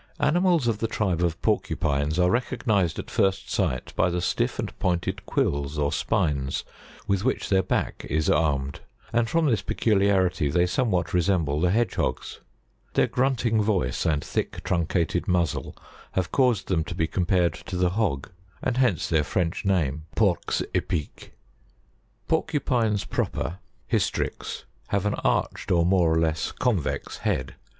55. Animals of the tribe of Porcupines are recognised at first sight by the stiff and pointed quills or spines with which their back is armed, and from this peculiarity they somewhat resemble the Hedgehogs. Their grunting voice and thick truncated muzzle have caused them to be compared to the hog, and hence their French name, Pores Epics. 56. PORCUPINES PROPER, Hystrix, have an arched or more or less convex head.